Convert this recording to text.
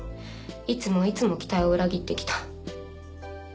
いつもいつも期待を裏切ってきた。